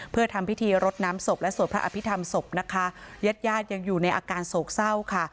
เพื่อทำพิธีรดน้ำศพและสวดพระอภิษฐรรมศพนะคะญาติญาติยังอยู่ในอาการโศกเศร้าค่ะ